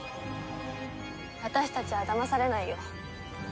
私たちはだまされないよ。